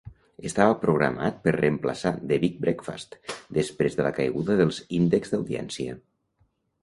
Estava programat per reemplaçar "The Big Breakfast" després de la caiguda dels índexs d'audiència.